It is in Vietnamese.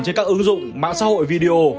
trên các ứng dụng mạng xã hội video